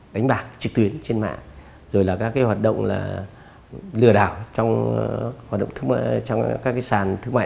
đánh bạc trực tuyến trên mạng rồi là các hoạt động lừa đảo trong các sàn thương mại